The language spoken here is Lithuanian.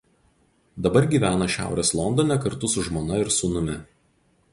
Dabar gyvena šiaurės Londone kartu su žmona ir sūnumi.